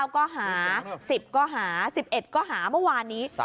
๙ก็หา๑๐ก็หา๑๑ก็หาเมื่อวานนี้